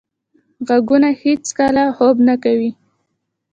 غوږونه هیڅکله خوب نه کوي.